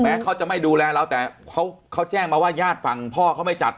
เขาจะไม่ดูแลเราแต่เขาแจ้งมาว่าญาติฝั่งพ่อเขาไม่จัด